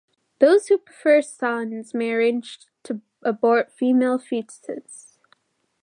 Those who prefer sons may arrange to abort female foetuses.